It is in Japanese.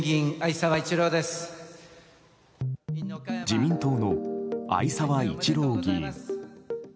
自民党の逢沢一郎議員。